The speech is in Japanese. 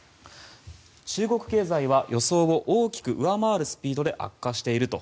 中国経済は予想を大きく上回るスピードで悪化していると。